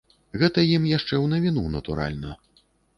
Гэта ім яшчэ ў навіну, натуральна.